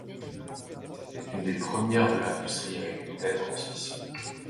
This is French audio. C'était une des premières de l'industrie avec une telle transmission.